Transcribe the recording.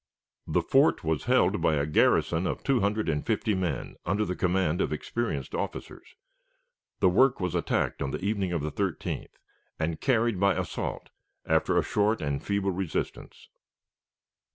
The fort was held by a garrison of two hundred and fifty men under the command of experienced officers. The work was attacked on the evening of the 13th, and carried by assault after a short and feeble resistance.